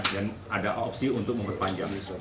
dan ada opsi untuk memperpanjang